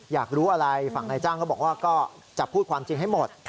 อยากรู้อะไรฝั่งนายจ้างก็บอกว่าก็จะพูดความจริงให้หมด